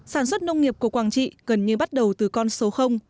sản xuất nông nghiệp của quảng trị gần như bắt đầu từ con số